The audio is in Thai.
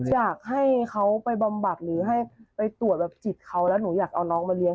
อยากให้เขาไปบำบัดหรือให้ไปตรวจแบบจิตเขาแล้วหนูอยากเอาน้องมาเลี้ย